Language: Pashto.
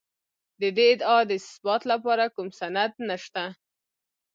د دې ادعا د اثبات لپاره کوم سند نشته.